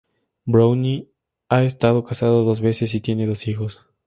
Browne ha estado casado dos veces y tiene dos hijos.